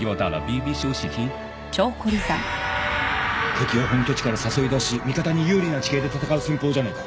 敵を本拠地から誘い出し味方に有利な地形で戦う戦法じゃねえか